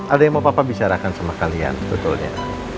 ada yang mau papa bicarakan sama kalian sebetulnya